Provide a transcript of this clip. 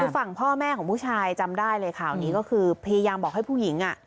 คือฝั่งพ่อแม่ของผู้ชายจำได้เลยข่าวนี้ก็คือพยายามบอกให้ผู้หญิง